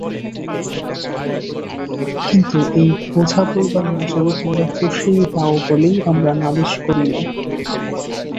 কিন্তু এই বোঝা বইবার মজুরি তোমরা পুষিয়ে দাও বলেই আমরা নালিশ করি নে।